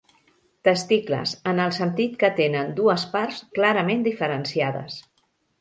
Testicles, en el sentit que tenen dues parts clarament diferenciades.